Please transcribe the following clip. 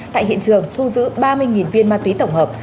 tại hiện trường thu giữ ba mươi viên ma túy tổng hợp